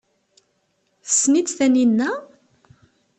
Tessen-itt Taninna?